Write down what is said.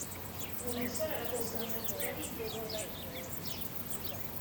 Uwo musore aramusubiza ati narigenderaga